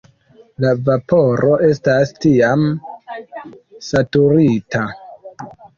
La vaporo estas tiam "saturita".